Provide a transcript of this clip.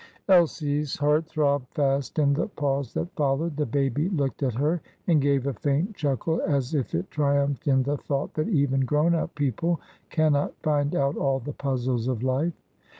Elsie's heart throbbed fast in the pause that followed. The baby looked at her and gave a faint chuckle, as if it triumphed in the thought that even grown up people cannot find out all the puzzles of life.